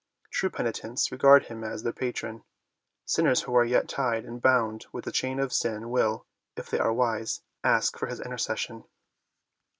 True penitents regard him as their patron : sinners who are yet tied and bound with the chain of sin will, if they are wise, ask for his intercession.